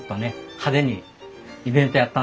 派手にイベントやったんです。